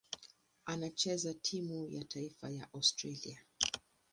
Anachezea timu ya taifa ya Australia.